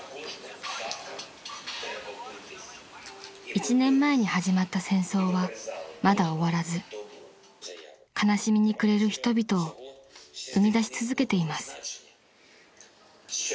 ［１年前に始まった戦争はまだ終わらず悲しみに暮れる人々を生み出し続けています］